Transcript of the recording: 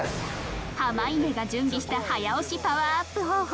濱家が準備した早押しパワーアップ方法